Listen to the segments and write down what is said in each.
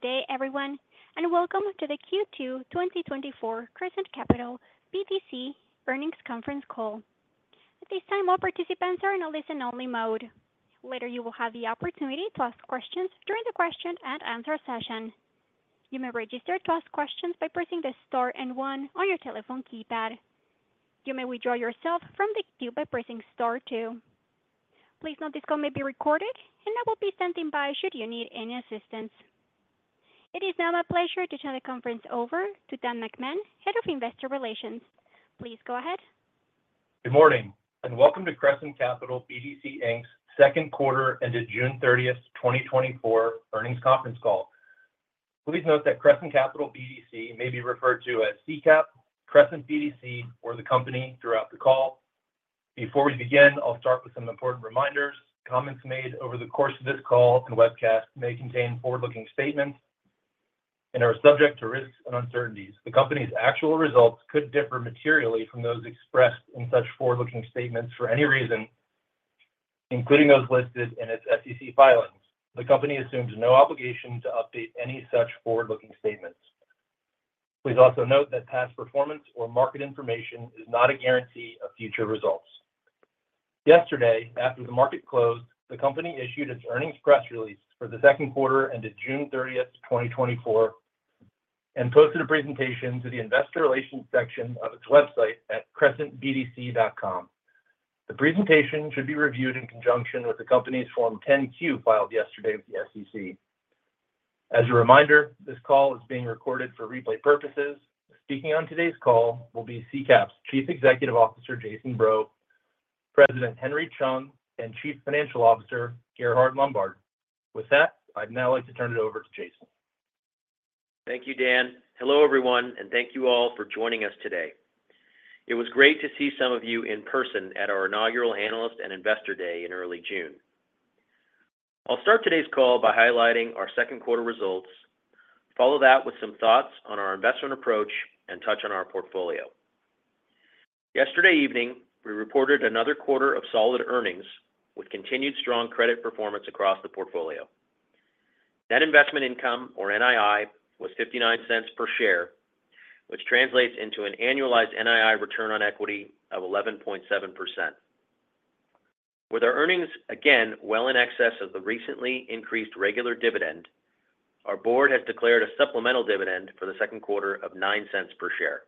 Good day, everyone, and welcome to the Q2 2024 Crescent Capital BDC Earnings Conference Call. At this time, all participants are in a listen-only mode. Later, you will have the opportunity to ask questions during the question and answer session. You may register to ask questions by pressing the star and one on your telephone keypad. You may withdraw yourself from the queue by pressing star two. Please note this call may be recorded, and I will be standing by should you need any assistance. It is now my pleasure to turn the conference over to Dan McMahon, Head of Investor Relations. Please go ahead. Good morning, and welcome to Crescent Capital BDC Inc's second quarter ended June 30, 2024 earnings conference call. Please note that Crescent Capital BDC may be referred to as CCAP, Crescent BDC, or the company throughout the call. Before we begin, I'll start with some important reminders. Comments made over the course of this call and webcast may contain forward-looking statements and are subject to risks and uncertainties. The company's actual results could differ materially from those expressed in such forward-looking statements for any reason, including those listed in its SEC filings. The company assumes no obligation to update any such forward-looking statements. Please also note that past performance or market information is not a guarantee of future results. Yesterday, after the market closed, the company issued its earnings press release for the second quarter ended June 30, 2024, and posted a presentation to the Investor Relations section of its website at crescentbdc.com. The presentation should be reviewed in conjunction with the company's Form 10-Q filed yesterday with the SEC. As a reminder, this call is being recorded for replay purposes. Speaking on today's call will be CCAP's Chief Executive Officer, Jason Breaux, President Henry Chung, and Chief Financial Officer, Gerhard Lombard. With that, I'd now like to turn it over to Jason. Thank you, Dan. Hello, everyone, and thank you all for joining us today. It was great to see some of you in person at our inaugural Analyst and Investor Day in early June. I'll start today's call by highlighting our second quarter results, follow that with some thoughts on our investment approach, and touch on our portfolio. Yesterday evening, we reported another quarter of solid earnings with continued strong credit performance across the portfolio. Net Investment Income, or NII, was $0.59 per share, which translates into an annualized NII return on equity of 11.7%. With our earnings again well in excess of the recently increased regular dividend, our board has declared a supplemental dividend for the second quarter of $0.09 per share.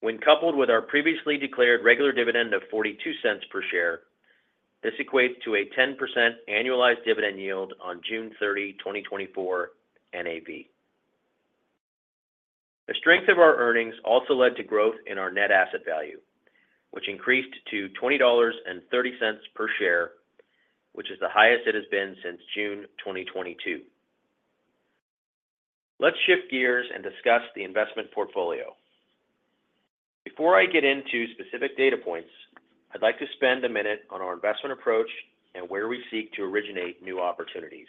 When coupled with our previously declared regular dividend of $0.42 per share, this equates to a 10% annualized dividend yield on June 30, 2024 NAV. The strength of our earnings also led to growth in our net asset value, which increased to $20.30 per share, which is the highest it has been since June 2022. Let's shift gears and discuss the investment portfolio. Before I get into specific data points, I'd like to spend a minute on our investment approach and where we seek to originate new opportunities.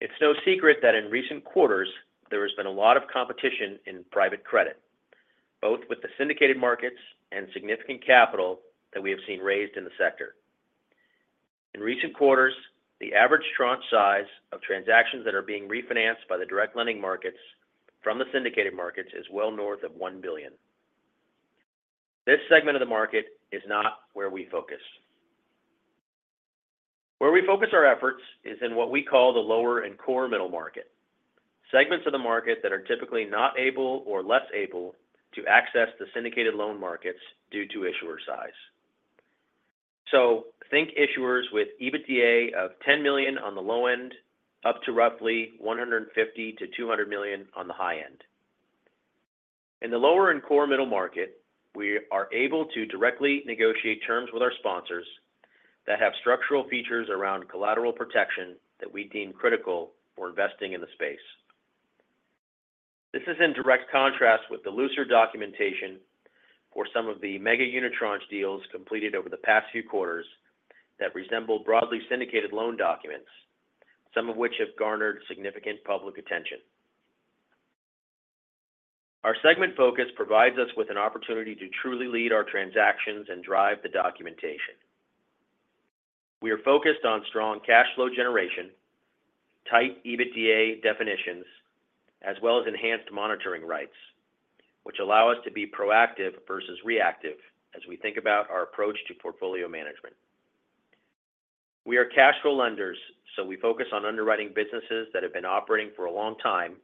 It's no secret that in recent quarters, there has been a lot of competition in private credit, both with the syndicated markets and significant capital that we have seen raised in the sector. In recent quarters, the average tranche size of transactions that are being refinanced by the direct lending markets from the syndicated markets is well north of $1 billion. This segment of the market is not where we focus. Where we focus our efforts is in what we call the lower and core middle market, segments of the market that are typically not able or less able to access the syndicated loan markets due to issuer size. So think issuers with EBITDA of $10 million on the low end, up to roughly $150 million-$200 million on the high end. In the lower and core middle market, we are able to directly negotiate terms with our sponsors that have structural features around collateral protection that we deem critical for investing in the space. This is in direct contrast with the looser documentation for some of the mega unitranche deals completed over the past few quarters that resemble broadly syndicated loan documents, some of which have garnered significant public attention. Our segment focus provides us with an opportunity to truly lead our transactions and drive the documentation. We are focused on strong cash flow generation, tight EBITDA definitions, as well as enhanced monitoring rights, which allow us to be proactive versus reactive as we think about our approach to portfolio management. We are cash flow lenders, so we focus on underwriting businesses that have been operating for a long time,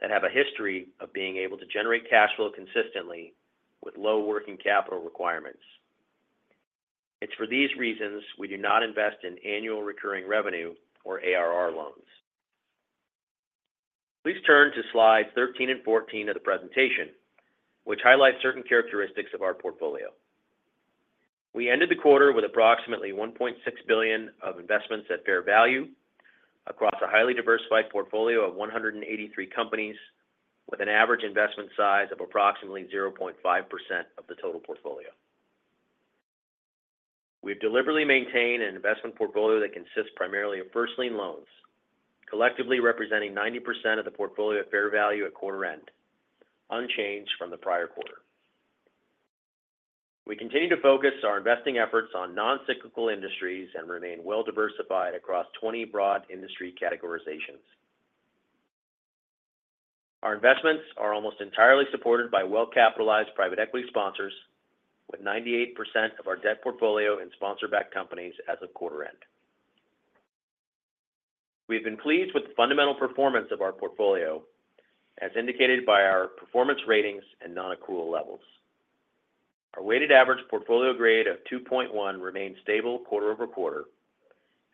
that have a history of being able to generate cash flow consistently with low working capital requirements. It's for these reasons we do not invest in annual recurring revenue or ARR loans. Please turn to slides 13 and 14 of the presentation, which highlight certain characteristics of our portfolio. We ended the quarter with approximately $1.6 billion of investments at fair value across a highly diversified portfolio of 183 companies, with an average investment size of approximately 0.5% of the total portfolio. We've deliberately maintained an investment portfolio that consists primarily of first lien loans, collectively representing 90% of the portfolio at fair value at quarter end, unchanged from the prior quarter. We continue to focus our investing efforts on non-cyclical industries and remain well-diversified across 20 broad industry categorizations. Our investments are almost entirely supported by well-capitalized private equity sponsors, with 98% of our debt portfolio in sponsor-backed companies as of quarter end. We've been pleased with the fundamental performance of our portfolio, as indicated by our performance ratings and nonaccrual levels. Our weighted average portfolio grade of 2.1 remains stable quarter-over-quarter.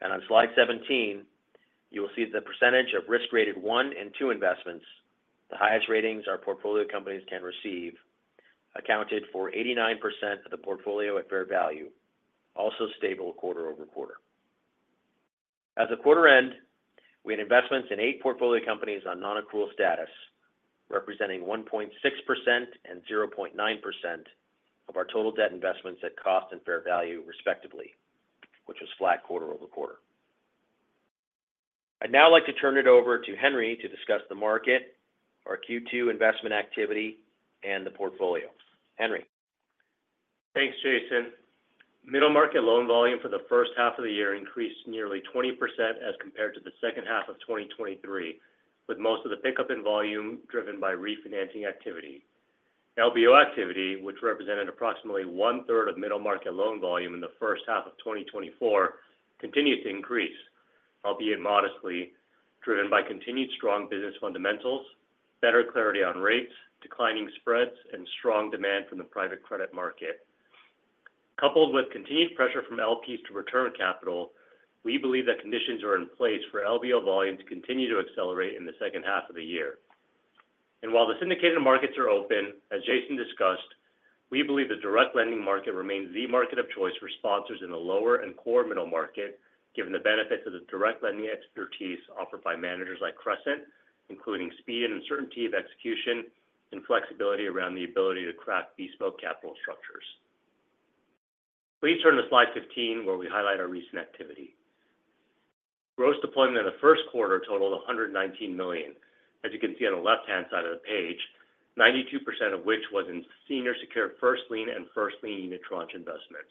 On slide 17, you will see the percentage of risk rated one and two investments, the highest ratings our portfolio companies can receive, accounted for 89% of the portfolio at fair value, also stable quarter-over-quarter. As of quarter-end, we had investments in eight portfolio companies on nonaccrual status, representing 1.6% and 0.9% of our total debt investments at cost and fair value, respectively, which was flat quarter-over-quarter. I'd now like to turn it over to Henry to discuss the market, our Q2 investment activity, and the portfolio. Henry? Thanks, Jason. Middle market loan volume for the first half of the year increased nearly 20% as compared to the second half of 2023, with most of the pickup in volume driven by refinancing activity. LBO activity, which represented approximately one-third of middle market loan volume in the first half of 2024, continues to increase, albeit modestly, driven by continued strong business fundamentals, better clarity on rates, declining spreads, and strong demand from the private credit market. Coupled with continued pressure from LPs to return capital, we believe that conditions are in place for LBO volume to continue to accelerate in the second half of the year. While the syndicated markets are open, as Jason discussed, we believe the direct lending market remains the market of choice for sponsors in the lower and core middle market, given the benefits of the direct lending expertise offered by managers like Crescent, including speed and uncertainty of execution and flexibility around the ability to craft bespoke capital structures. Please turn to slide 15, where we highlight our recent activity. Gross deployment in the first quarter totaled $119 million. As you can see on the left-hand side of the page, 92% of which was in senior secured first lien and first lien unitranche investments.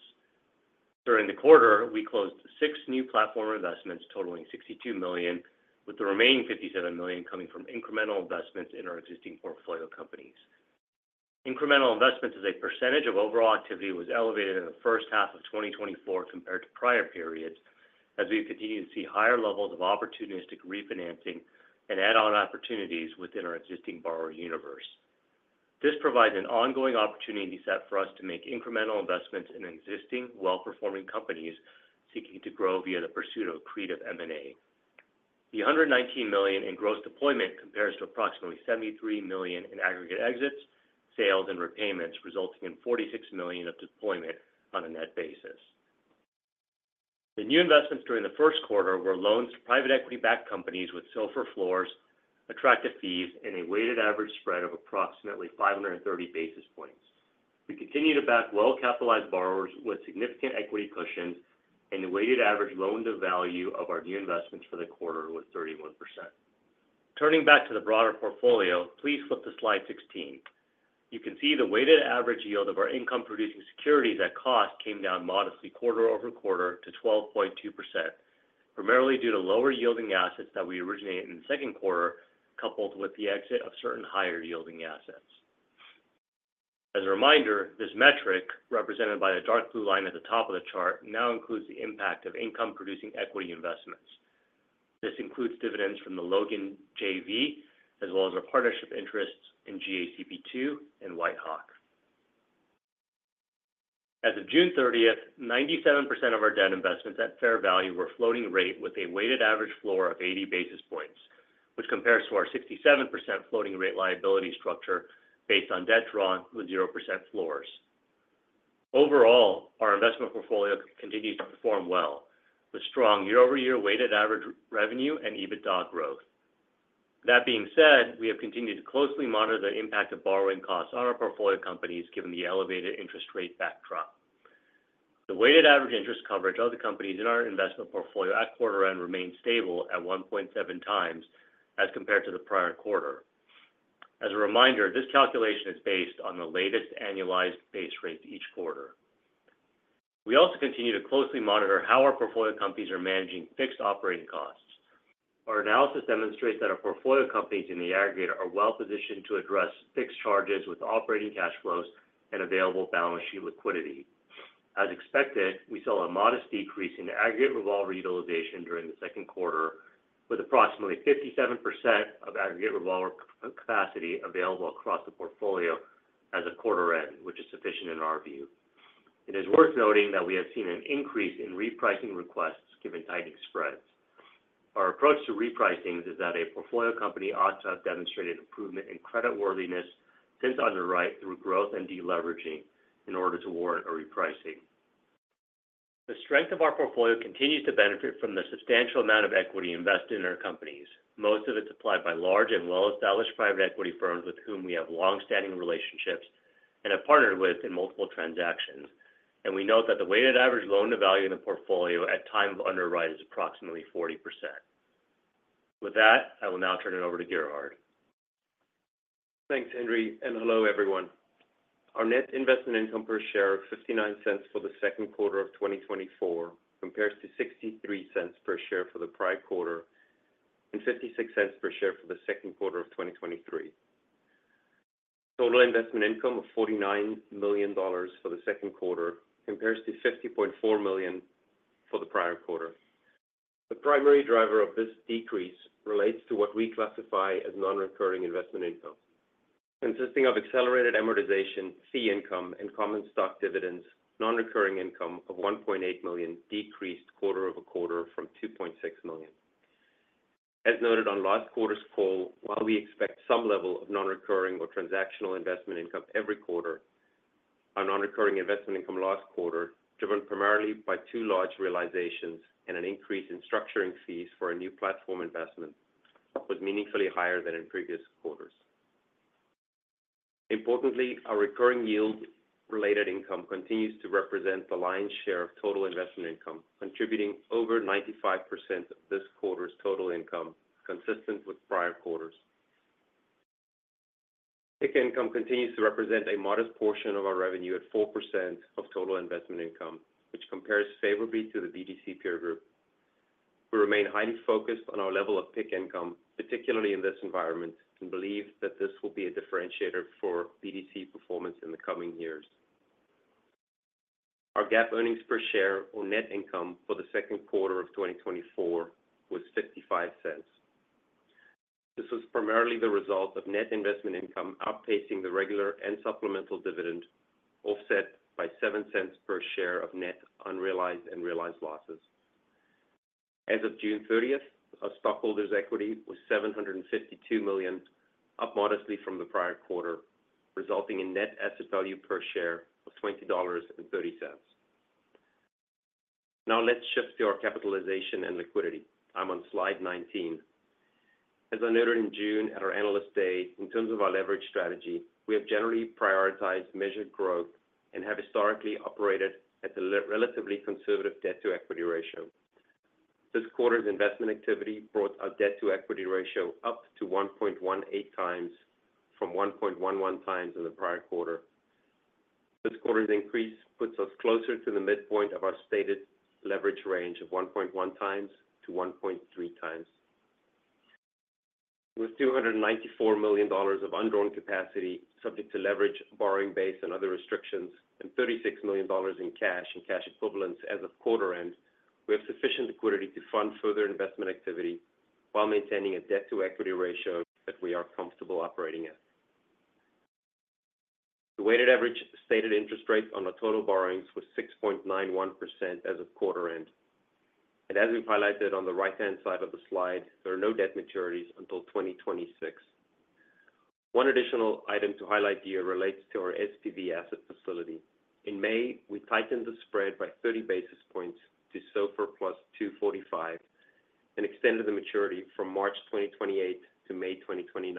During the quarter, we closed 6 new platform investments totaling $62 million, with the remaining $57 million coming from incremental investments in our existing portfolio companies. Incremental investments as a percentage of overall activity was elevated in the first half of 2024 compared to prior periods, as we continue to see higher levels of opportunistic refinancing and add-on opportunities within our existing borrower universe. This provides an ongoing opportunity set for us to make incremental investments in existing, well-performing companies seeking to grow via the pursuit of accretive M&A. The $119 million in gross deployment compares to approximately $73 million in aggregate exits, sales, and repayments, resulting in $46 million of deployment on a net basis. The new investments during the first quarter were loans to private equity-backed companies with SOFR floors, attractive fees, and a weighted average spread of approximately 530 basis points. We continue to back well-capitalized borrowers with significant equity cushions, and the weighted average loan to value of our new investments for the quarter was 31%. Turning back to the broader portfolio, please flip to slide 16. You can see the weighted average yield of our income-producing securities at cost came down modestly quarter-over-quarter to 12.2%, primarily due to lower-yielding assets that we originated in the second quarter, coupled with the exit of certain higher-yielding assets. As a reminder, this metric, represented by the dark blue line at the top of the chart, now includes the impact of income-producing equity investments. This includes dividends from the Logan JV, as well as our partnership interests in GACP II and WhiteHawk. As of June 30th, 97% of our debt investments at fair value were floating rate, with a weighted average floor of 80 basis points, which compares to our 67% floating rate liability structure based on debt drawn with 0% floors. Overall, our investment portfolio continues to perform well, with strong year-over-year weighted average revenue and EBITDA growth. That being said, we have continued to closely monitor the impact of borrowing costs on our portfolio companies, given the elevated interest rate backdrop. The weighted average interest coverage of the companies in our investment portfolio at quarter end remained stable at 1.7x as compared to the prior quarter. As a reminder, this calculation is based on the latest annualized base rates each quarter. We also continue to closely monitor how our portfolio companies are managing fixed operating costs. Our analysis demonstrates that our portfolio companies in the aggregator are well positioned to address fixed charges with operating cash flows and available balance sheet liquidity. As expected, we saw a modest decrease in aggregate revolver utilization during the second quarter, with approximately 57% of aggregate revolver capacity available across the portfolio as of quarter end, which is sufficient in our view. It is worth noting that we have seen an increase in repricing requests given tightening spreads. Our approach to repricing is that a portfolio company ought to have demonstrated improvement in creditworthiness since underwriting through growth and deleveraging in order to warrant a repricing. The strength of our portfolio continues to benefit from the substantial amount of equity invested in our companies. Most of it's applied by large and well-established private equity firms with whom we have longstanding relationships and have partnered with in multiple transactions. We note that the weighted average loan to value in the portfolio at time of underwrite is approximately 40%. ...With that, I will now turn it over to Gerhard. Thanks, Henry, and hello, everyone. Our net investment income per share of $0.59 for the second quarter of 2024 compares to $0.63 per share for the prior quarter and $0.56 per share for the second quarter of 2023. Total investment income of $49 million for the second quarter compares to $50.4 million for the prior quarter. The primary driver of this decrease relates to what we classify as non-recurring investment income. Consisting of accelerated amortization, fee income, and common stock dividends, non-recurring income of $1.8 million decreased quarter over quarter from $2.6 million. As noted on last quarter's call, while we expect some level of non-recurring or transactional investment income every quarter, our non-recurring investment income last quarter, driven primarily by two large realizations and an increase in structuring fees for a new platform investment, was meaningfully higher than in previous quarters. Importantly, our recurring yield-related income continues to represent the lion's share of total investment income, contributing over 95% of this quarter's total income, consistent with prior quarters. PIK income continues to represent a modest portion of our revenue at 4% of total investment income, which compares favorably to the BDC peer group. We remain highly focused on our level of PIK income, particularly in this environment, and believe that this will be a differentiator for BDC performance in the coming years. Our GAAP earnings per share or net income for the second quarter of 2024 was $0.55. This was primarily the result of net investment income outpacing the regular and supplemental dividend, offset by $0.07 per share of net unrealized and realized losses. As of June thirtieth, our stockholders' equity was $752 million, up modestly from the prior quarter, resulting in net asset value per share of $20.30. Now let's shift to our capitalization and liquidity. I'm on slide 19. As I noted in June at our Analyst Day, in terms of our leverage strategy, we have generally prioritized measured growth and have historically operated at the relatively conservative debt-to-equity ratio. This quarter's investment activity brought our debt-to-equity ratio up to 1.18x from 1.11x in the prior quarter. This quarter's increase puts us closer to the midpoint of our stated leverage range of 1.1x to 1.3x. With $294 million of undrawn capacity, subject to leverage, borrowing base, and other restrictions, and $36 million in cash and cash equivalents as of quarter end, we have sufficient liquidity to fund further investment activity while maintaining a debt-to-equity ratio that we are comfortable operating at. The weighted average stated interest rate on our total borrowings was 6.91% as of quarter end. As we've highlighted on the right-hand side of the slide, there are no debt maturities until 2026. One additional item to highlight here relates to our SPV asset facility. In May, we tightened the spread by 30 basis points to SOFR plus 245 and extended the maturity from March 2028 to May 2029.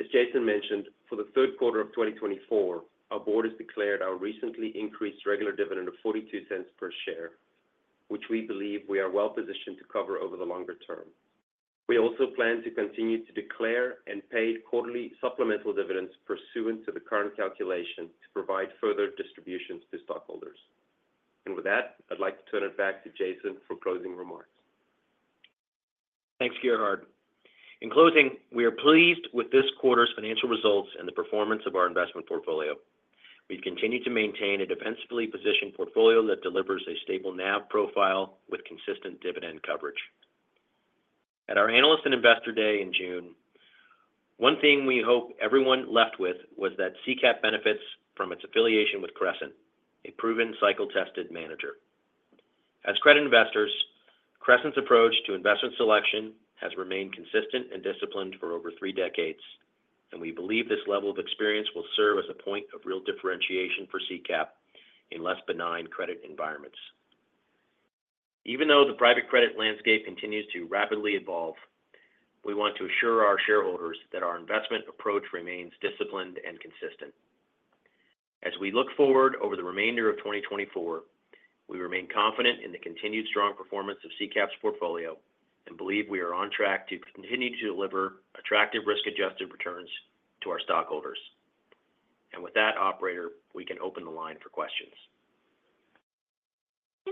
As Jason mentioned, for the third quarter of 2024, our board has declared our recently increased regular dividend of $0.42 per share, which we believe we are well positioned to cover over the longer term. We also plan to continue to declare and pay quarterly supplemental dividends pursuant to the current calculation to provide further distributions to stockholders. And with that, I'd like to turn it back to Jason for closing remarks. Thanks, Gerhard. In closing, we are pleased with this quarter's financial results and the performance of our investment portfolio. We've continued to maintain a defensively positioned portfolio that delivers a stable NAV profile with consistent dividend coverage. At our Analyst and Investor Day in June, one thing we hope everyone left with was that CCAP benefits from its affiliation with Crescent, a proven cycle-tested manager. As credit investors, Crescent's approach to investment selection has remained consistent and disciplined for over three decades, and we believe this level of experience will serve as a point of real differentiation for CCAP in less benign credit environments. Even though the private credit landscape continues to rapidly evolve, we want to assure our shareholders that our investment approach remains disciplined and consistent. As we look forward over the remainder of 2024, we remain confident in the continued strong performance of CCAP's portfolio and believe we are on track to continue to deliver attractive risk-adjusted returns to our stockholders. With that, operator, we can open the line for questions.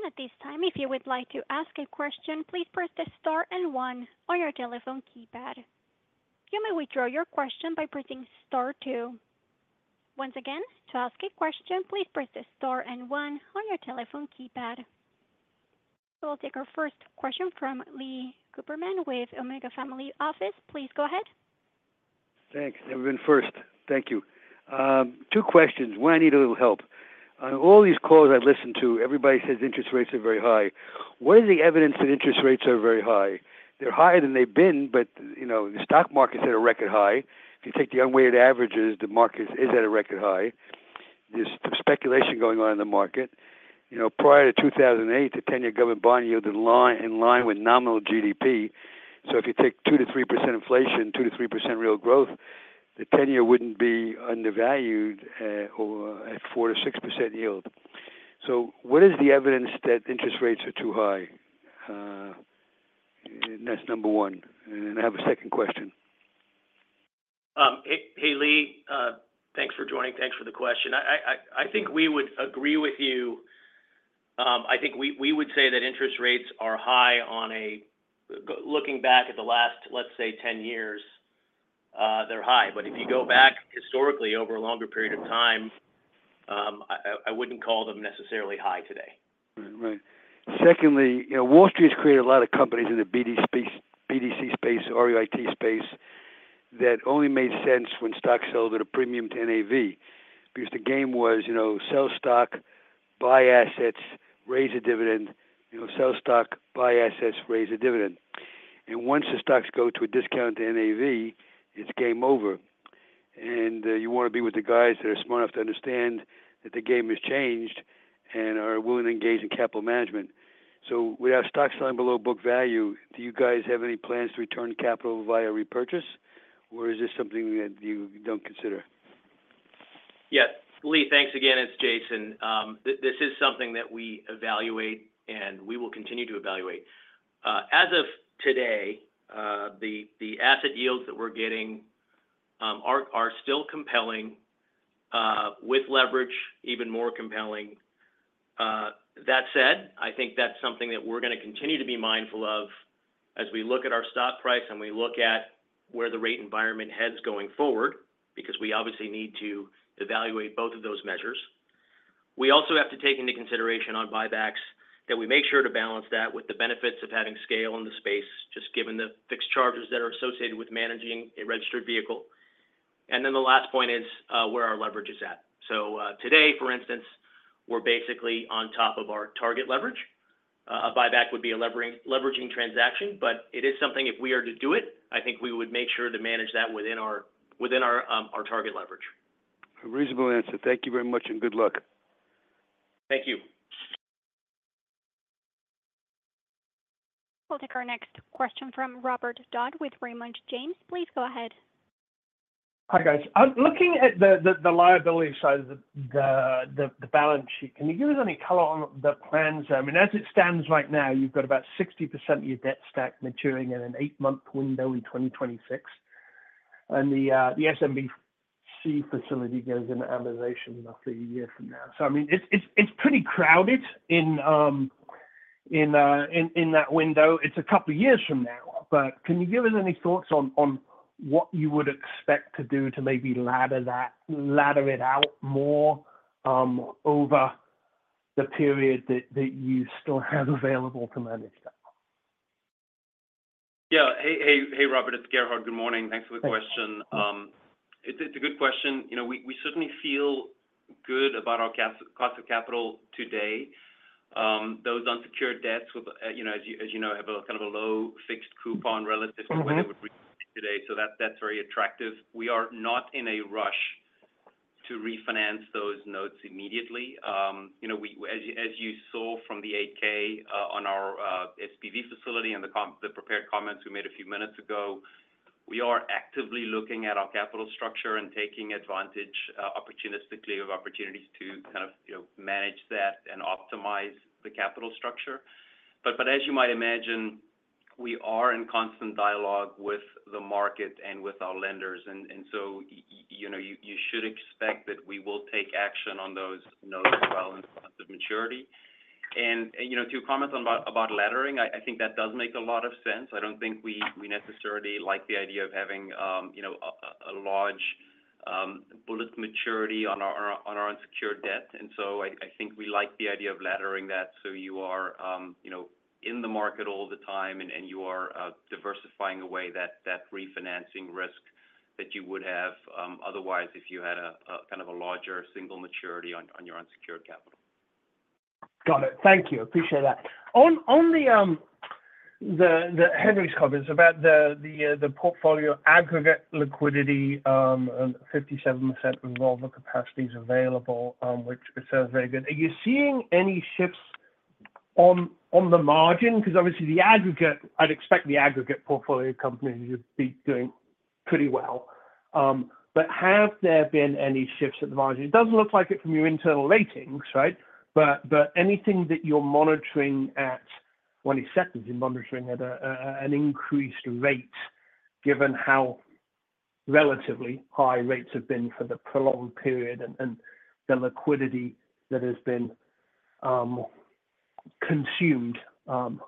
At this time, if you would like to ask a question, please press star and one on your telephone keypad. You may withdraw your question by pressing star two. Once again, to ask a question, please press star and one on your telephone keypad. We'll take our first question from Leon Cooperman with Omega Family Office. Please go ahead. Thanks. I've been first. Thank you. Two questions. One, I need a little help. On all these calls I've listened to, everybody says interest rates are very high. What is the evidence that interest rates are very high? They're higher than they've been, but, you know, the stock market's at a record high. If you take the unweighted averages, the market is at a record high. There's some speculation going on in the market. You know, prior to 2008, the 10-year government bond yield in line with nominal GDP. So if you take 2%-3% inflation, 2%-3% real growth, the 10-year wouldn't be undervalued, or at 4%-6% yield. So what is the evidence that interest rates are too high? And that's number one. And then I have a second question. Hey, hey, Lee, thanks for joining. Thanks for the question. I think we would agree with you. I think we would say that interest rates are high looking back at the last, let's say, 10 years, they're high. But if you go back historically over a longer period of time, I wouldn't call them necessarily high today. Right. Secondly, you know, Wall Street has created a lot of companies in the BDC space, REIT space, that only made sense when stocks sell at a premium to NAV, because the game was, you know, sell stock, buy assets, raise a dividend, you know, sell stock, buy assets, raise a dividend. And once the stocks go to a discount to NAV, it's game over. And you want to be with the guys that are smart enough to understand that the game has changed and are willing to engage in capital management. So with our stocks selling below book value, do you guys have any plans to return capital via repurchase, or is this something that you don't consider? Yes. Lee, thanks again. It's Jason. This is something that we evaluate, and we will continue to evaluate. As of today, the asset yields that we're getting are still compelling, with leverage, even more compelling. That said, I think that's something that we're going to continue to be mindful of as we look at our stock price and we look at where the rate environment heads going forward, because we obviously need to evaluate both of those measures. We also have to take into consideration on buybacks, that we make sure to balance that with the benefits of having scale in the space, just given the fixed charges that are associated with managing a registered vehicle. And then the last point is, where our leverage is at. So, today, for instance, we're basically on top of our target leverage. A buyback would be a levering, leveraging transaction, but it is something if we are to do it. I think we would make sure to manage that within our target leverage. A reasonable answer. Thank you very much, and good luck. Thank you. We'll take our next question from Robert Dodd with Raymond James. Please go ahead. Hi, guys. I'm looking at the liability side of the balance sheet. Can you give us any color on the plans? I mean, as it stands right now, you've got about 60% of your debt stack maturing in an 8-month window in 2026, and the SMBC facility goes into amortization roughly a year from now. So I mean, it's pretty crowded in that window. It's a couple of years from now, but can you give us any thoughts on what you would expect to do to maybe ladder it out more over the period that you still have available to manage that? Yeah. Hey, hey, hey, Robert, it's Gerhard. Good morning. Thanks for the question. Thanks. It's a good question. You know, we certainly feel good about our cost of capital today. Those unsecured debts with, you know, as you know, have a kind of a low fixed coupon relative- Mm-hmm -to where they would be today, so that's, that's very attractive. We are not in a rush to refinance those notes immediately. You know, we—as you, as you saw from the 8-K on our SPV facility and the prepared comments we made a few minutes ago, we are actively looking at our capital structure and taking advantage opportunistically of opportunities to kind of, you know, manage that and optimize the capital structure. But, but as you might imagine, we are in constant dialogue with the market and with our lenders, and, and so, you know, you, you should expect that we will take action on those notes as well in terms of maturity. And, you know, to comment on, about laddering, I think that does make a lot of sense. I don't think we necessarily like the idea of having, you know, a large bullet maturity on our unsecured debt, and so I think we like the idea of laddering that so you are, you know, in the market all the time and you are diversifying away that refinancing risk that you would have otherwise if you had a kind of a larger single maturity on your unsecured capital. Got it. Thank you. Appreciate that. On the Henry's comments about the portfolio aggregate liquidity, and 57% of all the capacities available, which it sounds very good. Are you seeing any shifts on the margin? Because obviously, the aggregate, I'd expect the aggregate portfolio companies to be doing pretty well. But have there been any shifts at the margin? It doesn't look like it from your internal ratings, right? But anything that you're monitoring, when it happens you're monitoring at an increased rate, given how relatively high rates have been for the prolonged period and the liquidity that has been consumed, on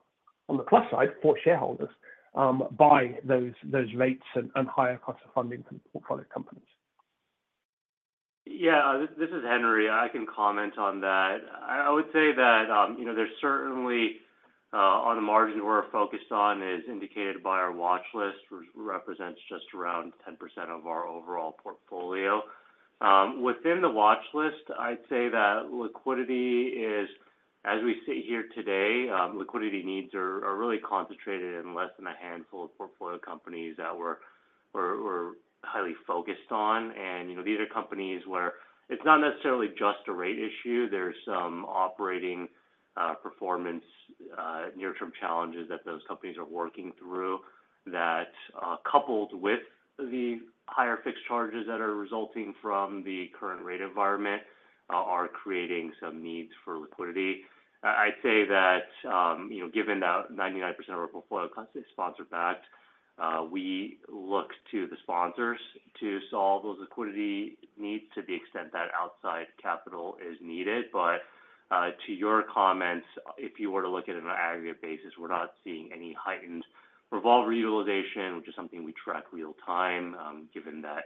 the plus side for shareholders, by those rates and higher cost of funding for portfolio companies. Yeah, this is Henry. I can comment on that. I would say that, you know, there's certainly on the margin we're focused on is indicated by our watch list, which represents just around 10% of our overall portfolio. Within the watch list, I'd say that liquidity is, as we sit here today, liquidity needs are really concentrated in less than a handful of portfolio companies that we're highly focused on. And, you know, these are companies where it's not necessarily just a rate issue, there's some operating performance near-term challenges that those companies are working through, that coupled with the higher fixed charges that are resulting from the current rate environment are creating some needs for liquidity. I'd say that, you know, given that 99% of our portfolio is sponsor-backed, we look to the sponsors to solve those liquidity needs to the extent that outside capital is needed. But, to your comments, if you were to look at it on an aggregate basis, we're not seeing any heightened revolver utilization, which is something we track real-time, given that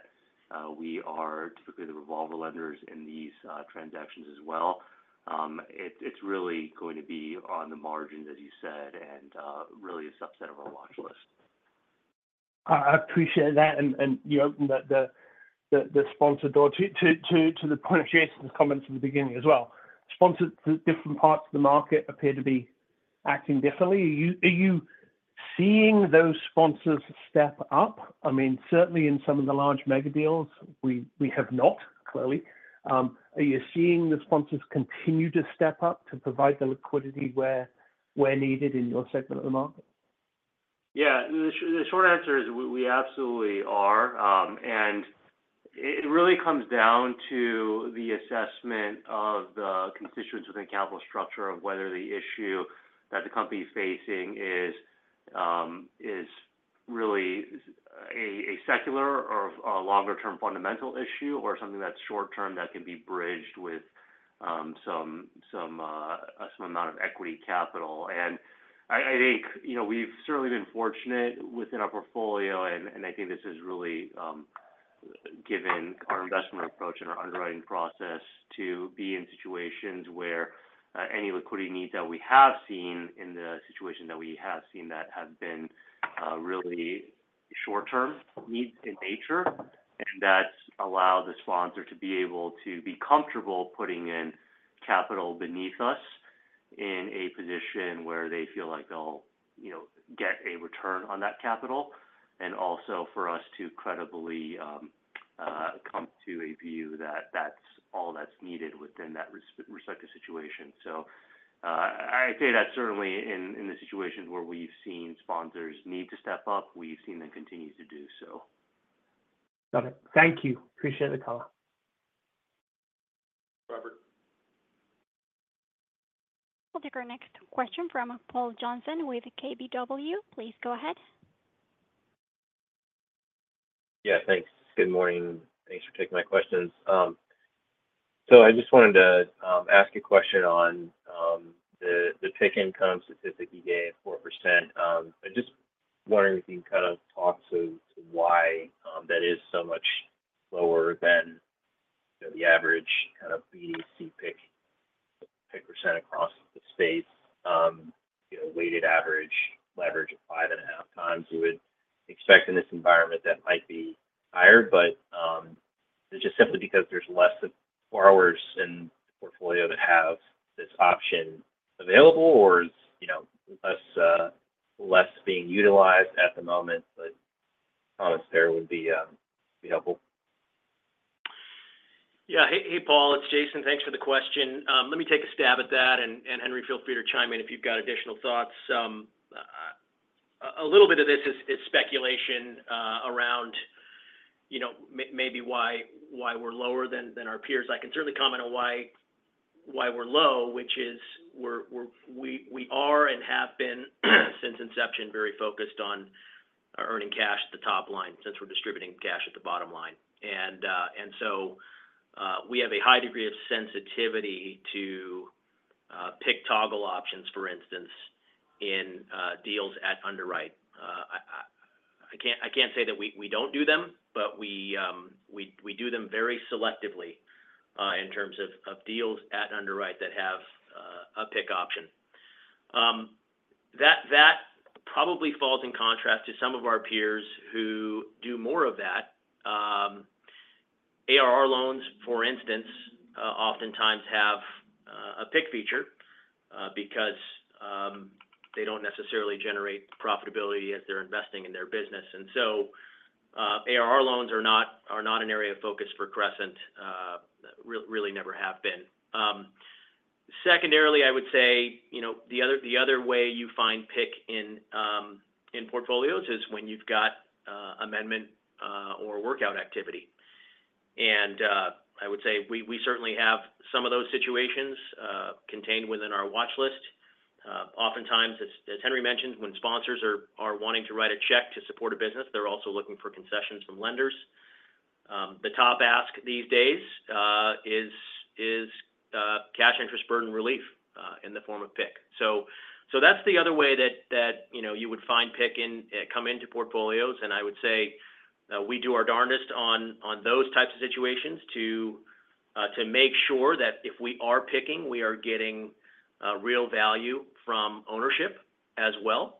we are typically the revolver lenders in these transactions as well. It's really going to be on the margins, as you said, and really a subset of our watch list. I appreciate that, and you opened the sponsor door. To the point of Jason's comments in the beginning as well, sponsors for different parts of the market appear to be acting differently. Are you seeing those sponsors step up? I mean, certainly in some of the large mega deals, we have not, clearly. Are you seeing the sponsors continue to step up to provide the liquidity where needed in your segment of the market? Yeah. The short answer is we absolutely are. And it really comes down to the assessment of the constituents within the capital structure of whether the issue that the company is facing is really a secular or a longer term fundamental issue, or something that's short term that can be bridged with some amount of equity capital. And I think, you know, we've certainly been fortunate within our portfolio, and I think this is really, given our investment approach and our underwriting process, to be in situations where any liquidity needs that we have seen have been really short term needs in nature. That's allowed the sponsor to be able to be comfortable putting in capital beneath us in a position where they feel like they'll, you know, get a return on that capital, and also for us to credibly come to a view that that's all that's needed within that respective situation. So, I'd say that certainly in the situations where we've seen sponsors need to step up, we've seen them continue to do so. Got it. Thank you. Appreciate the call. Robert? We'll take our next question from Paul Johnson with KBW. Please go ahead. Yeah, thanks. Good morning. Thanks for taking my questions. So I just wanted to ask a question on the PIK income statistic you gave, 4%. I just wondering if you can kind of talk to why that is so much lower than the average kind of BDC PIK, PIK percent across the space. You know, weighted average leverage of 5.5x, you would expect in this environment that might be higher, but is it just simply because there's less borrowers in the portfolio that have this option available, or is, you know, less being utilized at the moment? But comments there would be helpful. Yeah. Hey, hey, Paul, it's Jason. Thanks for the question. Let me take a stab at that, and, Henry, feel free to chime in if you've got additional thoughts. A little bit of this is speculation around, you know, maybe why we're lower than our peers. I can certainly comment on why we're low, which is we are and have been, since inception, very focused on earning cash at the top line, since we're distributing cash at the bottom line. And, so, we have a high degree of sensitivity to PIK toggle options, for instance, in deals at underwrite. I can't say that we don't do them, but we do them very selectively, in terms of deals that we underwrite that have a PIK option. That probably falls in contrast to some of our peers who do more of that. ARR loans, for instance, oftentimes have a PIK feature because they don't necessarily generate profitability as they're investing in their business. And so, ARR loans are not an area of focus for Crescent, really never have been. Secondarily, I would say, you know, the other way you find PIK in portfolios is when you've got amendment or workout activity. And I would say we certainly have some of those situations contained within our watch list. Oftentimes, as Henry mentioned, when sponsors are wanting to write a check to support a business, they're also looking for concessions from lenders. The top ask these days is cash interest burden relief in the form of PIK. That's the other way that you know you would find PIK income come into portfolios. And I would say, we do our darndest on those types of situations to make sure that if we are PIKing, we are getting real value from ownership as well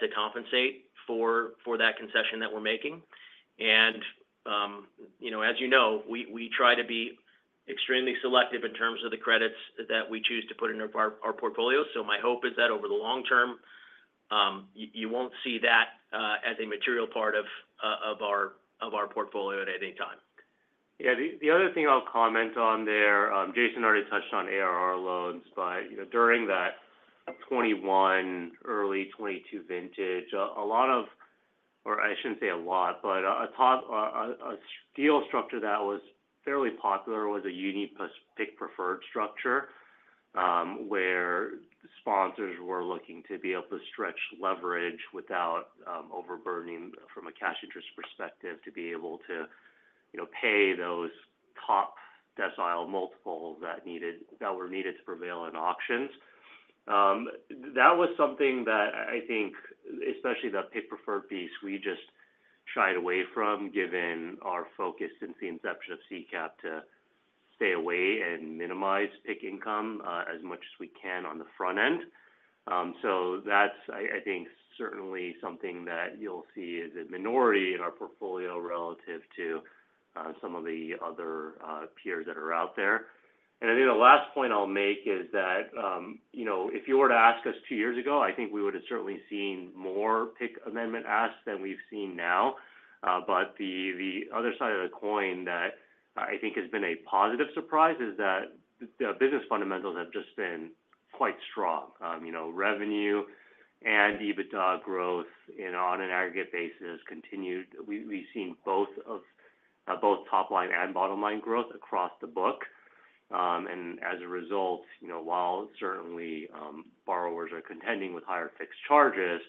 to compensate for that concession that we're making. You know, as you know, we try to be extremely selective in terms of the credits that we choose to put into our portfolio. So my hope is that over the long term, you won't see that as a material part of our portfolio at any time. ... Yeah, the other thing I'll comment on there, Jason already touched on ARR loans, but, you know, during that 2021, early 2022 vintage, or I shouldn't say a lot, but a top deal structure that was fairly popular was a uni plus PIK preferred structure, where sponsors were looking to be able to stretch leverage without overburning from a cash interest perspective, to be able to, you know, pay those top decile multiples that were needed to prevail in auctions. That was something that I think, especially the PIK preferred piece, we just shied away from, given our focus since the inception of CCAP, to stay away and minimize PIK income, as much as we can on the front end. So that's, I think, certainly something that you'll see as a minority in our portfolio relative to some of the other peers that are out there. And I think the last point I'll make is that, you know, if you were to ask us two years ago, I think we would've certainly seen more PIK amendment asks than we've seen now. But the other side of the coin that I think has been a positive surprise is that the business fundamentals have just been quite strong. You know, revenue and EBITDA growth, you know, on an aggregate basis continued. We've seen both of both top line and bottom line growth across the book. As a result, you know, while certainly, borrowers are contending with higher fixed charges,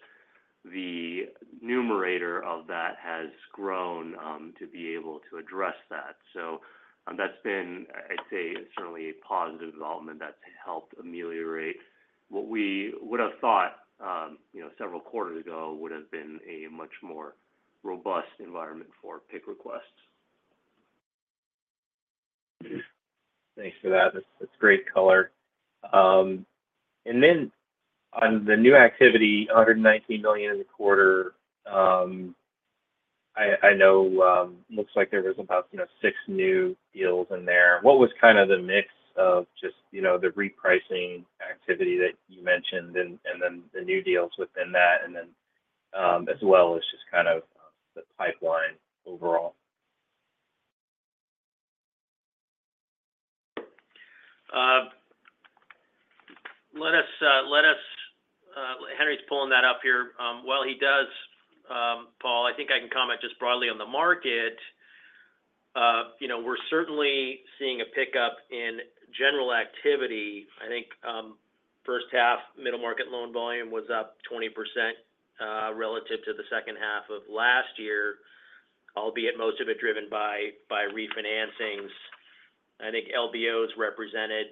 the numerator of that has grown to be able to address that. That's been, I'd say, certainly a positive development that's helped ameliorate what we would've thought, you know, several quarters ago, would've been a much more robust environment for PIK requests. Thanks for that. That's, that's great color. And then on the new activity, $119 million in the quarter, I know, looks like there was about, you know, six new deals in there. What was kind of the mix of just, you know, the repricing activity that you mentioned, and then the new deals within that, and then, as well as just kind of, the pipeline overall? Let us... Henry's pulling that up here. While he does, Paul, I think I can comment just broadly on the market. You know, we're certainly seeing a pickup in general activity. I think first half, middle market loan volume was up 20%, relative to the second half of last year, albeit most of it driven by, by refinancings. I think LBOs represented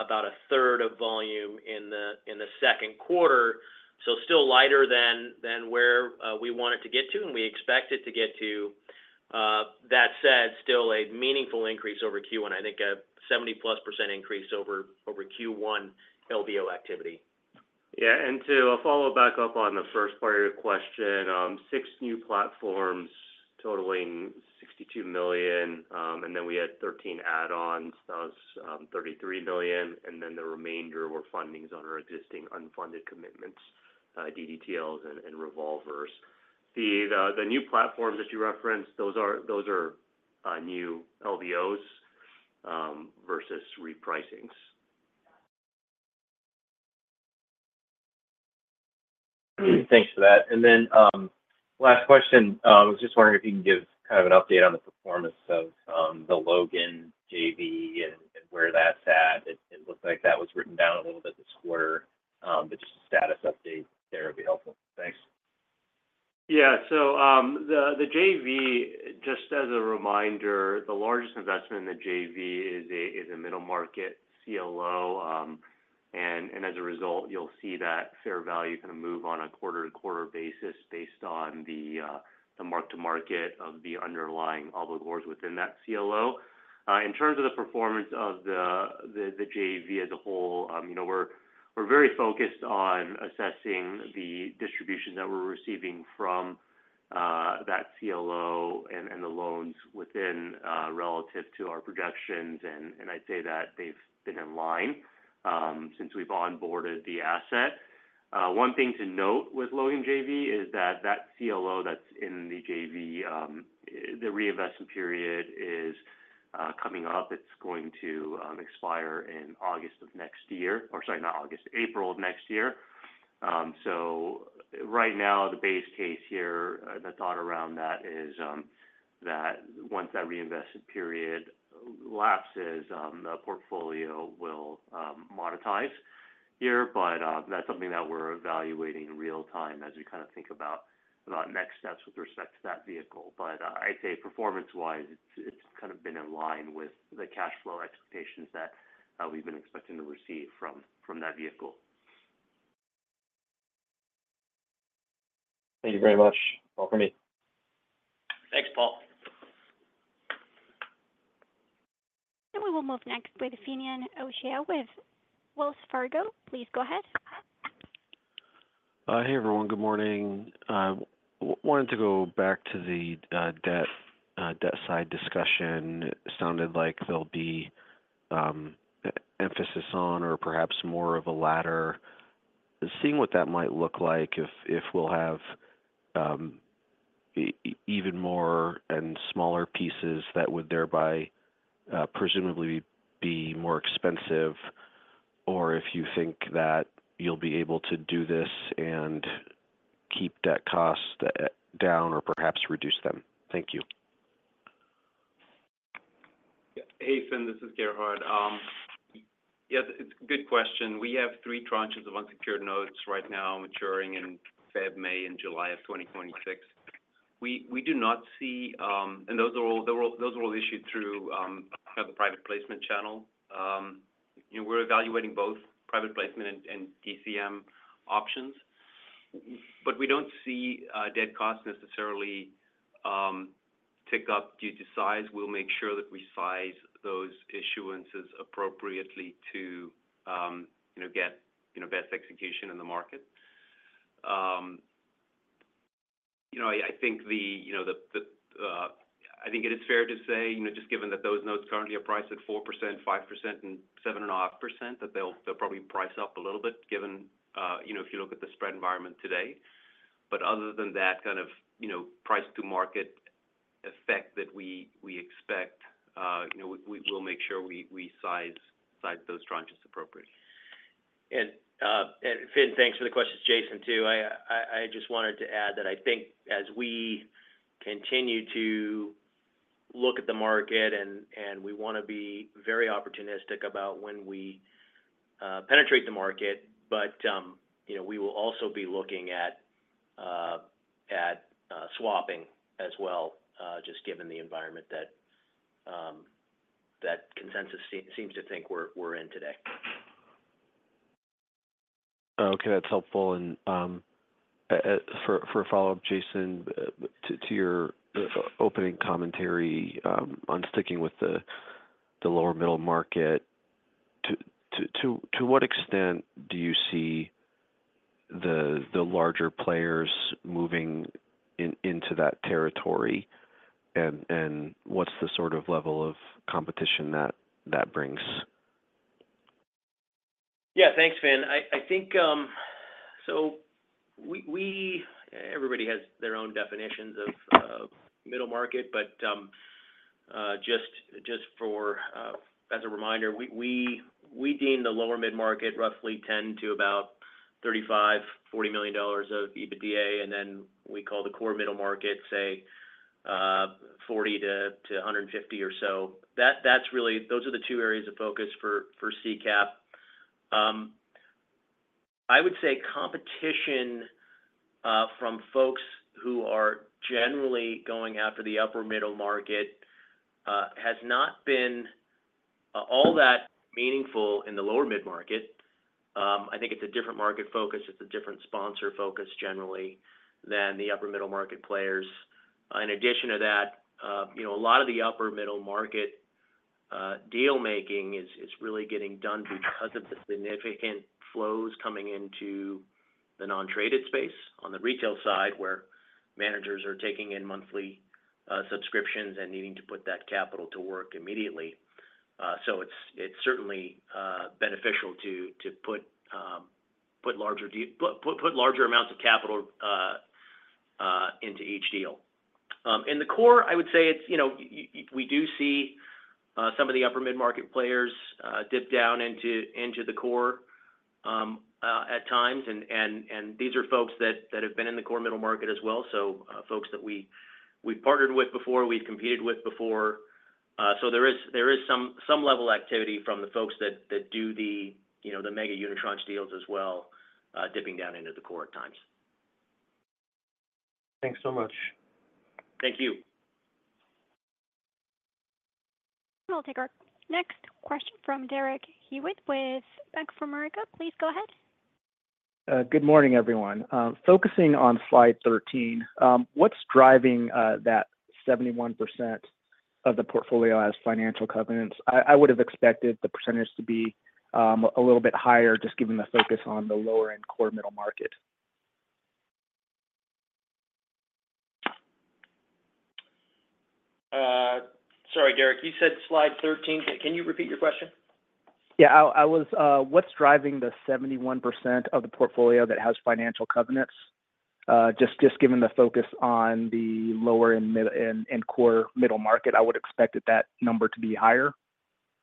about a third of volume in the, in the second quarter, so still lighter than, than where we want it to get to, and we expect it to get to. That said, still a meaningful increase over Q1. I think a 70%+ increase over, over Q1 LBO activity. Yeah, and to follow back up on the first part of your question, six new platforms totaling $62 million, and then we had 13 add-ons, that was $33 million, and then the remainder were fundings on our existing unfunded commitments, DDTLs and revolvers. The new platforms that you referenced, those are new LBOs versus repricings. Thanks for that. Last question. Was just wondering if you can give kind of an update on the performance of the Logan JV and where that's at. It looks like that was written down a little bit this quarter. But just a status update there would be helpful. Thanks. Yeah. So, the JV, just as a reminder, the largest investment in the JV is a middle market CLO. And as a result, you'll see that fair value kind of move on a quarter-to-quarter basis based on the mark-to-market of the underlying obligors within that CLO. In terms of the performance of the JV as a whole, you know, we're very focused on assessing the distributions that we're receiving from that CLO and the loans within relative to our projections. And I'd say that they've been in line since we've onboarded the asset. One thing to note with Logan JV is that CLO that's in the JV, the reinvestment period is coming up. It's going to expire in August of next year, or sorry, not August, April of next year. So right now, the base case here, the thought around that is, that once that reinvestment period lapses, the portfolio will monetize here. But that's something that we're evaluating in real time as we kind of think about next steps with respect to that vehicle. But I'd say performance-wise, it's kind of been in line with the cash flow expectations that we've been expecting to receive from that vehicle. Thank you very much. All for me. Thanks, Paul. We will move next with Finian O'Shea with Wells Fargo. Please go ahead. Hey, everyone. Good morning. Wanted to go back to the debt side discussion. It sounded like there'll be emphasis on or perhaps more of a laddering what that might look like if, if we'll have even more and smaller pieces that would thereby presumably be more expensive, or if you think that you'll be able to do this and keep that cost down or perhaps reduce them. Thank you. Yeah. Hey, Finn, this is Gerhard. Yes, it's a good question. We have three tranches of unsecured notes right now maturing in February, May, and July of 2026. We do not see, and those are all, those were all issued through the private placement channel. You know, we're evaluating both private placement and DCM options. But we don't see debt costs necessarily tick up due to size. We'll make sure that we size those issuances appropriately to, you know, get best execution in the market. You know, I think it is fair to say, you know, just given that those notes currently are priced at 4%, 5%, and 7.5%, that they'll probably price up a little bit, given, you know, if you look at the spread environment today. But other than that kind of, you know, price to market effect that we expect, you know, we will make sure we size those tranches appropriately. And, and Finn, thanks for the question. Jason, too. I just wanted to add that I think as we continue to look at the market, and we want to be very opportunistic about when we penetrate the market. But, you know, we will also be looking at swapping as well, just given the environment that consensus seems to think we're in today. Okay, that's helpful. For a follow-up, Jason, to what extent do you see the larger players moving into that territory? And, what's the sort of level of competition that brings? Yeah, thanks, Finn. I think. So everybody has their own definitions of middle market, but just as a reminder, we deem the lower mid-market roughly $10 million to about $35-$40 million of EBITDA, and then we call the core middle market, say, $40 million to $150 million or so. That's really those are the two areas of focus for CCAP. I would say competition from folks who are generally going after the upper middle market has not been all that meaningful in the lower mid-market. I think it's a different market focus. It's a different sponsor focus, generally, than the upper middle market players. In addition to that, you know, a lot of the upper middle market deal making is really getting done because of the significant flows coming into the non-traded space on the retail side, where managers are taking in monthly subscriptions and needing to put that capital to work immediately. So it's certainly beneficial to put larger amounts of capital into each deal. In the core, I would say it's, you know, we do see some of the upper mid-market players dip down into the core at times, and these are folks that have been in the core middle market as well, so folks that we, we've partnered with before, we've competed with before. So, there is some level of activity from the folks that do, you know, the mega unitranche deals as well, dipping down into the core at times. Thanks so much. Thank you. We'll take our next question from Derek Hewett with Bank of America. Please go ahead. Good morning, everyone. Focusing on slide 13, what's driving that 71% of the portfolio as financial covenants? I would have expected the percentage to be a little bit higher, just given the focus on the lower-end Core Middle Market. Sorry, Derek, you said slide 13. Can you repeat your question? Yeah, I was—what's driving the 71% of the portfolio that has financial covenants? Just given the focus on the lower and mid and core middle market, I would expect that number to be higher.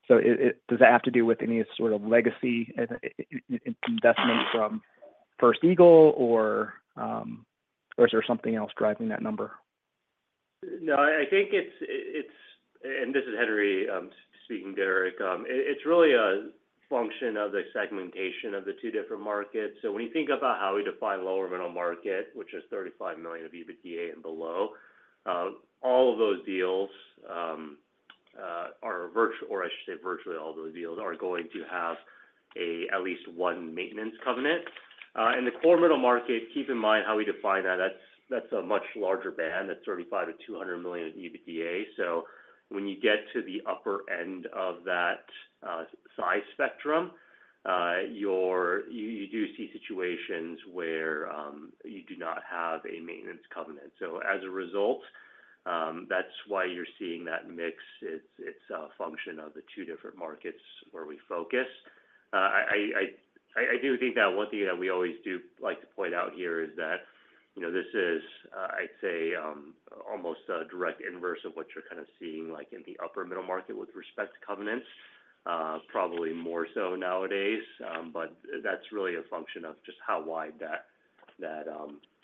So it—does that have to do with any sort of legacy investment from First Eagle, or is there something else driving that number? No, I think it's. And this is Henry speaking, Derek. It's really a function of the segmentation of the two different markets. So when you think about how we define Lower Middle Market, which is $35 million of EBITDA and below, all of those deals are virtually all those deals are going to have at least one Maintenance Covenant. In the Core Middle Market, keep in mind how we define that. That's a much larger band. That's $35-$200 million in EBITDA. So when you get to the upper end of that size spectrum, you do see situations where you do not have a Maintenance Covenant. So as a result-... That's why you're seeing that mix. It's a function of the two different markets where we focus. I do think that one thing that we always do like to point out here is that, you know, this is, I'd say, almost a direct inverse of what you're kind of seeing, like, in the Upper Middle Market with respect to covenants, probably more so nowadays. But that's really a function of just how wide that, that,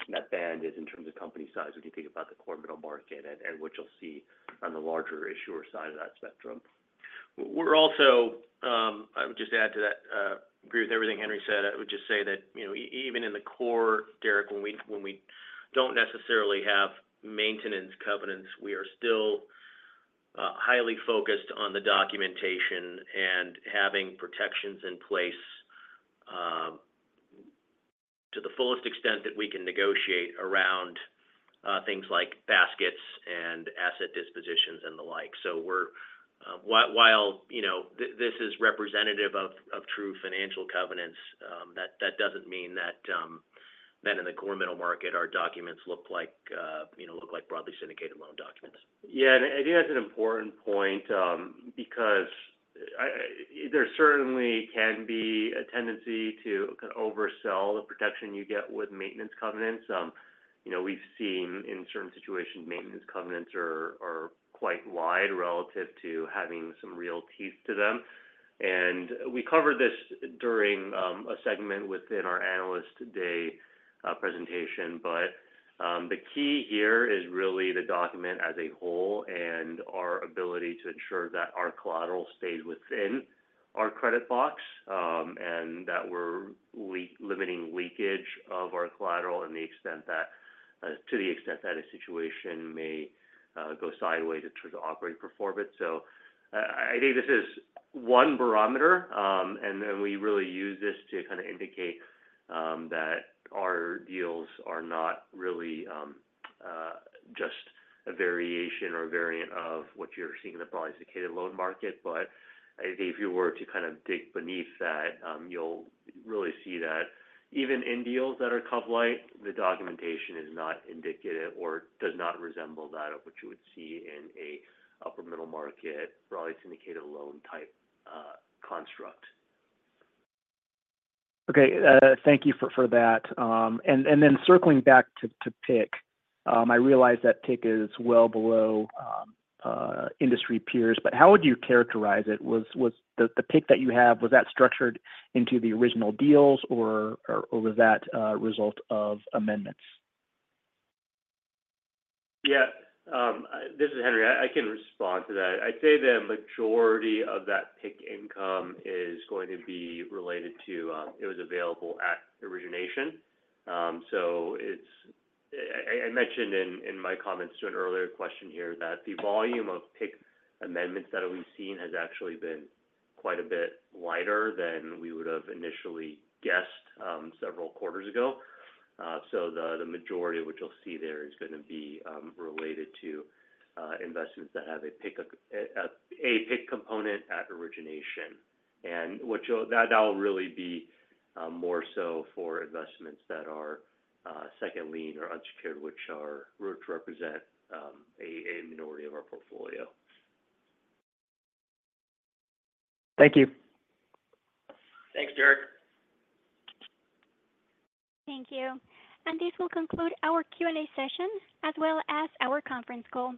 that band is in terms of company size, when you think about the Core Middle Market and what you'll see on the larger issuer side of that spectrum. We're also. I would just add to that. I agree with everything Henry said. I would just say that, you know, even in the core, Derek, when we, when we don't necessarily have maintenance covenants, we are still highly focused on the documentation and having protections in place, to the fullest extent that we can negotiate around things like baskets and asset dispositions and the like. So, while this is representative of true financial covenants, that doesn't mean that in the core middle market, our documents look like, you know, look like broadly syndicated loan documents. Yeah, and I think that's an important point, because there certainly can be a tendency to oversell the protection you get with maintenance covenants. You know, we've seen in certain situations, maintenance covenants are quite wide relative to having some real teeth to them. And we covered this during a segment within our Analyst Day presentation. But the key here is really the document as a whole and our ability to ensure that our collateral stays within our credit box, and that we're limiting leakage of our collateral to the extent that a situation may go sideways in terms of operating performance. So I think this is one barometer, and then we really use this to kind of indicate that our deals are not really just a variation or a variant of what you're seeing in the broadly syndicated loan market. But if you were to kind of dig beneath that, you'll really see that even in deals that are cov-lite, the documentation is not indicative or does not resemble that of what you would see in an upper middle market, broadly syndicated loan type construct. Okay. Thank you for that. And then circling back to PIK. I realize that PIK is well below industry peers, but how would you characterize it? Was the PIK that you have structured into the original deals, or was that result of amendments? Yeah. This is Henry. I can respond to that. I'd say the majority of that PIK income is going to be related to. It was available at origination. So it's. I mentioned in my comments to an earlier question here, that the volume of PIK amendments that we've seen has actually been quite a bit lighter than we would have initially guessed, several quarters ago. So the majority of which you'll see there is gonna be related to investments that have a PIK, a PIK component at origination. And which will. That will really be more so for investments that are second lien or unsecured, which represent a minority of our portfolio. Thank you. Thanks, Derek. Thank you. This will conclude our Q&A session, as well as our conference call.